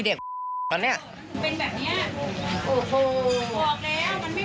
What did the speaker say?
พระเด็กจะทำอย่างไรเนี่ย